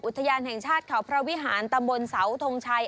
อุทยานแห่งชาติเขาพระวิหารตำบลเสาทงชัย